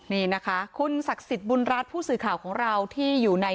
นี่นะคะคุณศักดิ์สิทธิ์บุญรัฐผู้สื่อข่าวของเราที่อยู่ใน